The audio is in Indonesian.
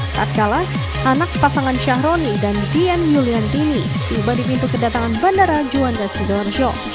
saat kalah anak pasangan syahroni dan dian yuliantini tiba di pintu kedatangan bandara juanda sidoarjo